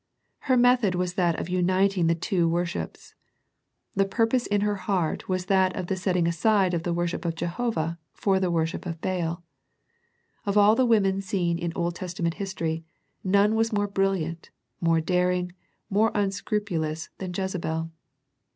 * Her method was that of uniting the two worships. The purpose in her heart was that of the setting aside of the worship of Jehovah for the worship of Baal. Of all the women seen in Old Testament history, none was more brilliant, more daring, more unscrupulous than Jezebel.